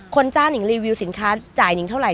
คนจ้าหนึ่งรีวิวสินค้าจ่ายหนึ่งเท่าไหร่